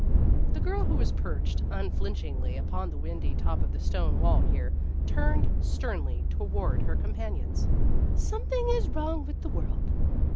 The girl who was perched unflinchingly upon the windy top of the stone wall here turned sternly toward her companions. " Something is wrong with the world."